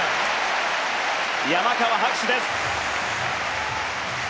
山川、拍手です。